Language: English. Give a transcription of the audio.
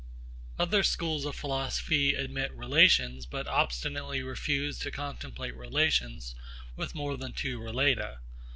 Other schools of philosophy admit relations but obstinately refuse to contemplate relations with more than two relata.